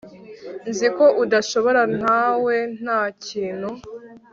Nzi ko udashobora ntawe nta kintu